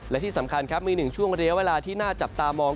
และที่สำคัญครับมีหนึ่งช่วงเรียวเวลาที่น่าจับตามอง